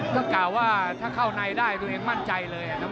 ก็กล่าวว่าถ้าเข้านายได้มั่นใจเลยนะ